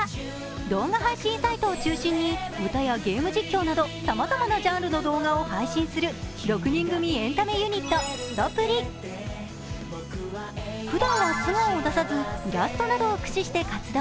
動画配信サイトを中心に歌やゲーム実況などさまざまなジャンルの動画を配信する６人組エンタメユニット・すとぷりふだんは姿を出さずイラストなどを駆使して活動。